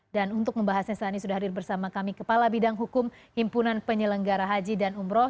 dan untuk membahasnya saat ini sudah hadir bersama kami kepala bidang hukum himpunan penyelenggara haji dan umroh